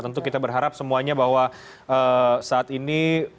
tentu kita berharap semuanya bahwa saat ini